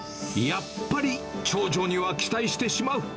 やっぱり長女には期待してしまう。